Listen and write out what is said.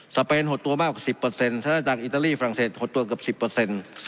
สเปนหดตัวมากกว่า๑๐เปอร์เซ็นต์และจากอิตาลีฟรังเศษหดตัวกว่า๑๐เปอร์เซ็นต์